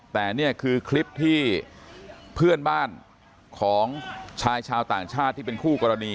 แต่นี่คือคลิปที่เพื่อนบ้านของชายชาวต่างชาติที่เป็นคู่กรณี